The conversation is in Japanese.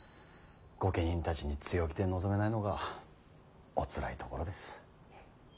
御家人たちに強気で臨めないのがおつらいところです。